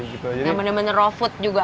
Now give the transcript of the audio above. yang benar benar raw food juga banyak